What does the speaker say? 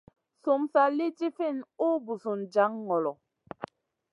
Sum sa lì ɗifinʼ ùh busun jaŋ ŋolo.